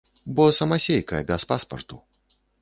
Бо самасейка, без паспарту.